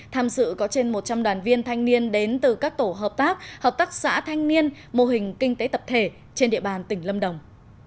tham sự có trên một trăm linh đoàn viên thanh niên đến từ các tổ hợp tác hợp tác xã thanh niên mô hình kinh tế tập thể trên địa bàn tỉnh lâm đồng